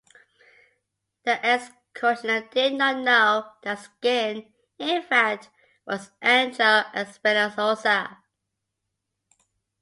The X-Cutioner did not know that Skin, in fact, "was" Angelo Espinosa.